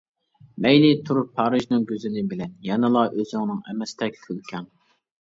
مەيلى تۇر پارىژنىڭ گۈزىلى بىلەن، يەنىلا ئۆزۈڭنىڭ ئەمەستەك كۈلكەڭ.